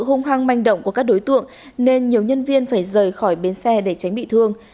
hung hăng manh động của các đối tượng nên nhiều nhân viên phải rời khỏi bến xe để tránh bị thương